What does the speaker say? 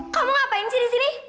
kamu ngapain sih disini